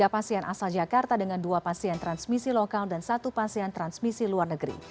tiga pasien asal jakarta dengan dua pasien transmisi lokal dan satu pasien transmisi luar negeri